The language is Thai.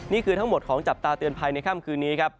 นี่คือทั้งหมดของจับตาเตือนภัยในค่ำคืนนี้ครับ